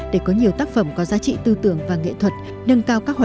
để có nhiều tác phẩm có giá trị tư tưởng và nghệ thuật nâng cao các hoạt động nghệ thuật